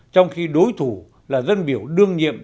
trong khi đối thủ là dân biểu đương nhiên